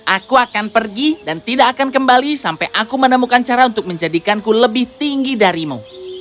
aku akan pergi dan tidak akan kembali sampai aku menemukan cara untuk menjadikanku lebih tinggi darimu